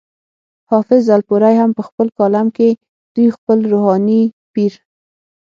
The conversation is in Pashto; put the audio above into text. حافظ الپورۍ هم پۀ خپل کالم کې دوي خپل روحاني پير